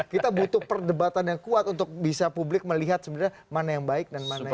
kita butuh perdebatan yang kuat untuk bisa publik melihat sebenarnya mana yang baik dan mana yang